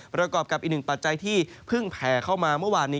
ประกอบกับอีกหนึ่งปัจจัยที่เพิ่งแผ่เข้ามาเมื่อวานนี้